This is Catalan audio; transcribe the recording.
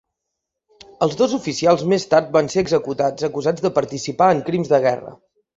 Els dos oficials més tard van ser executats acusats de participar en crims de guerra.